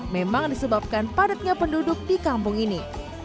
memang disebabkan padatnya penduduk di kampung ini